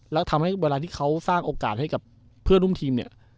แล้วทำให้เวลาที่เขาสร้างโอกาสให้กับเพื่อนร่วมทีมเนี่ย